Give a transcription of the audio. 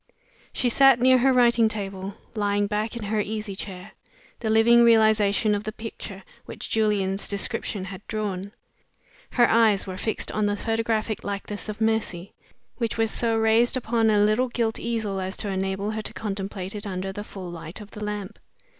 She sat near her writing table, lying back in her easy chair the living realization of the picture which Julian's description had drawn. Her eyes were fixed on a photographic likeness of Mercy, which was so raised upon a little gilt easel as to enable her to contemplate it under the full light of the lamp.